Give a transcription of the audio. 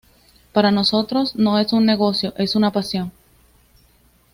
Para nosotros no es un negocio: es una pasión.